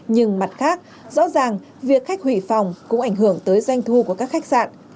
nhưng mặt khác rõ ràng việc khách hủy phòng cũng ảnh hưởng tới doanh thu của các khách sạn